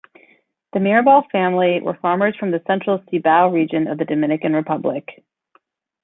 The Mirabal family were farmers from the central Cibao region of the Dominican Republic.